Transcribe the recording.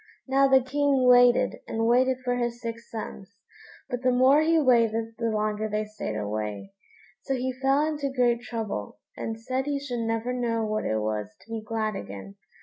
Now the King waited and waited for his six sons, but the more he waited, the longer they stayed away; so he fell into great trouble, and said he should never know what it was to be glad again.